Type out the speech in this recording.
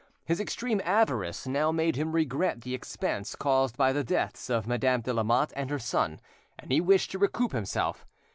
His extreme avarice now made him regret the expense' caused by the deaths of Madame de Lamotte and her son, and he wished to recoup himself.